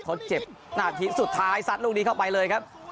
เขาเจ็บหน้าที่สุดท้ายซัดลูกนี้เข้าไปเลยครับ